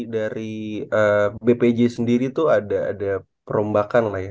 dari bpj sendiri itu ada perombakan lah ya